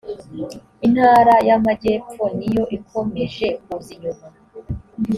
intara y’amajyepfo niyo ikomeje kuza inyuma .